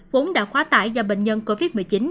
vốn đã quá tải do bệnh nhân covid một mươi chín